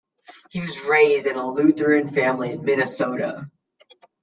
He was raised in a Lutheran family in Minnesota.